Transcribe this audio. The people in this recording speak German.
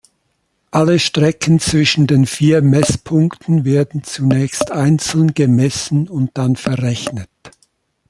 Alle Strecken zwischen den vier Messpunkten werden zunächst einzeln gemessen und dann verrechnet.